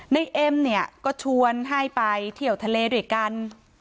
เอ็มเนี่ยก็ชวนให้ไปเที่ยวทะเลด้วยกัน